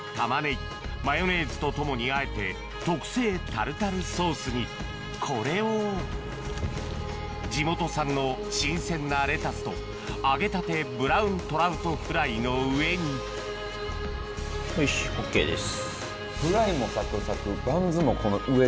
とともにあえて特製タルタルソースにこれを地元産の新鮮なレタスと揚げたてブラウントラウトフライの上によしＯＫです。